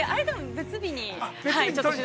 ◆別日に。